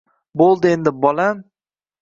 Bo‘ldi endi, bolam!